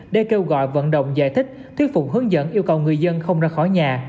để kêu gọi vận động giải thích thuyết thuyết phục hướng dẫn yêu cầu người dân không ra khỏi nhà